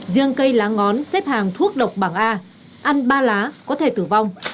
riêng cây lá ngón xếp hàng thuốc độc bảng a ăn ba lá có thể tử vong